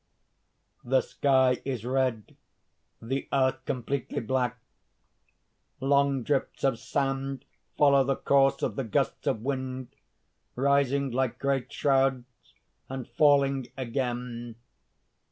(_The sky is red; the earth completely black. Long drifts of sand follow the course of the gusts of wind, rising like great shrouds and falling again.